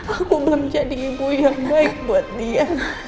aku belum jadi ibu yang baik buat dia